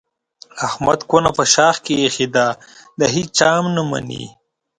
احمد کونه په شاخ کې ایښې ده د هېچا هم نه مني.